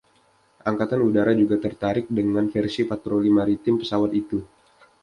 Angkatan Udara juga tertarik dengan versi patroli maritim pesawat itu.